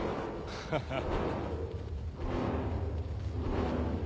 ハハハ。